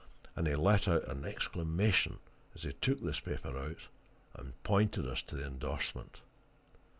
And he let out an exclamation as he took this paper out and pointed us to the endorsement.